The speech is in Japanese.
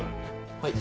はい。